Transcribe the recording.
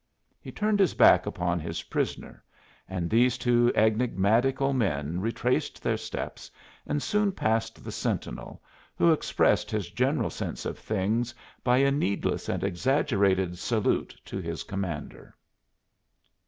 He turned his back upon his prisoner, and these two enigmatical men retraced their steps and soon passed the sentinel, who expressed his general sense of things by a needless and exaggerated salute to his commander.